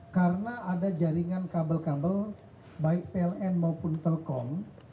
karena ada jaringan kabel kabel baik pln maupun telkom